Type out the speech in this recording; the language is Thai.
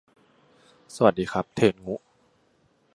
สวัสดีครับ เทนงุ !